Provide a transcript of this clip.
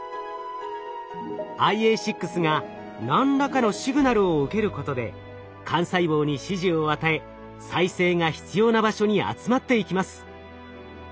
ＩＡ６が何らかのシグナルを受けることで幹細胞に指示を与え再生が必要な場所に集まっていきます。